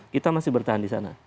kita masih bertahan di sana